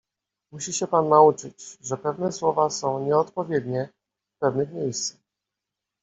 Musi się pan nauczyć, że pewne słowa są nieodpowiednie w pewnych miejscach.